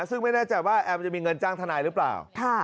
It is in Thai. ซึ่งไม่แน่ใจว่าแอมจะมีเงินจ้างทนายหรือเปล่า